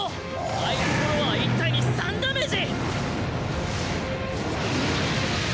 相手フォロワー１体に３ダメージ！